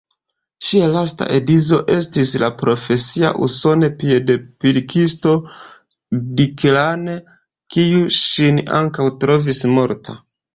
Ŝia lasta edzo estis la profesia uson-piedpilkisto Dick Lane, kiu ŝin ankaŭ trovis morta.